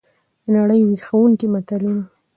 دنړۍ ویښوونکي متلونه!